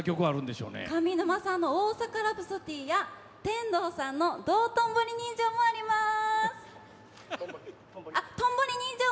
上沼さんの「大阪ラプソディー」や天童さんの「道頓堀人情」もあります。